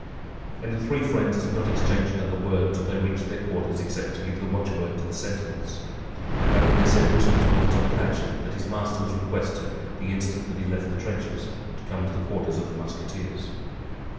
And the three friends did not exchange another word till they reached their quarters, except to give the watchword to the sentinels. Only they sent Mousqueton to tell Planchet that his master was requested, the instant that he left the trenches, to come to the quarters of the Musketeers.